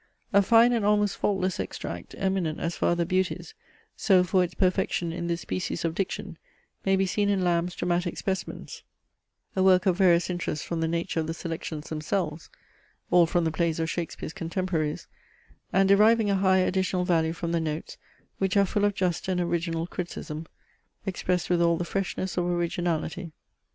A fine and almost faultless extract, eminent as for other beauties, so for its perfection in this species of diction, may be seen in Lamb's DRAMATIC SPECIMENS, a work of various interest from the nature of the selections themselves, (all from the plays of Shakespeare's contemporaries), and deriving a high additional value from the notes, which are full of just and original criticism, expressed with all the freshness of originality.